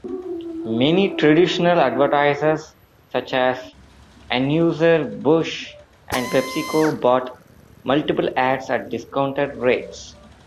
Many traditional advertisers, such as Anheuser-Busch and PepsiCo, bought multiple ads at discounted rates.